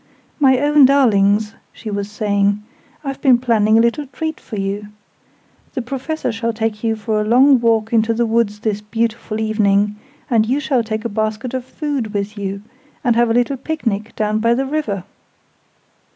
"My own darlings," she was saying, "I've been planning a little treat for you! The Professor shall take you a long walk into the woods this beautiful evening: and you shall take a basket of food with you, and have a little picnic down by the river!"